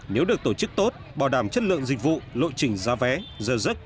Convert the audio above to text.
nếu được tổ chức tốt bảo đảm chất lượng dịch vụ lộ trình ra vé dơ dứt